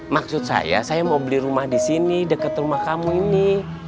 maksud saya saya mau beli rumah di sini dekat rumah kamu ini